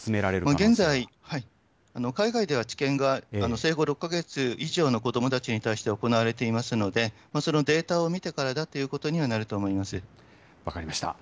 現在、海外では治験が生後６か月以上の子どもたちに対して行われていますので、そのデータを見てからだということにはなると分かりました。